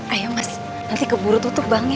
ayo mas nanti keburu tutup bang ya